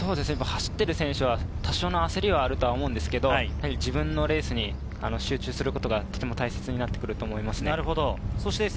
選手は多少の焦りはあると思いますが、自分のレースに集中することが、とても大切になると思います。